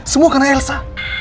semua karena elsa